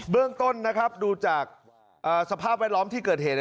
เรื่องต้นดูจากสภาพแวดล้อมที่เกิดเหตุ